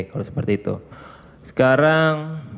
kalau seperti itu sekarang